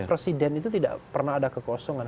presiden itu tidak pernah ada kekosongan